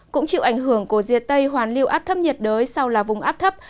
cũng chịu ảnh hưởng của diệt tây hoàn lưu áp thấp nhiệt đới sau là vùng áp thấp